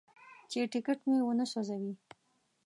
چې ټکټ مې ونه سوځوي.